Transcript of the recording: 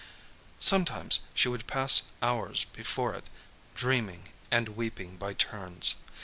Sometimes she would pass hours before it,—dreaming and weeping by turns.